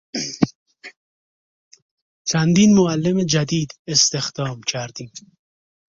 چندین معلم جدید استخدام کردیم.